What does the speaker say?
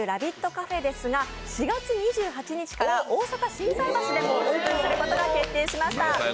カフェですが４月２８日から大阪・心斎橋でもオープンすることが決まりました。